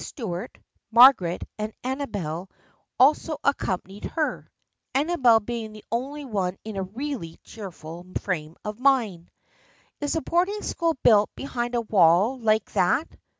Stuart, Margaret and Amabel also accompanied her, Amabel being the only one in a really cheerful frame of mind. " Is a boarding school built behind a wall like that?"